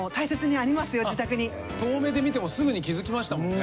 遠目で見てもすぐに気づきましたもんね。